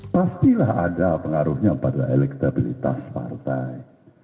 pastilah ada pengaruhnya pada elektabilitas partai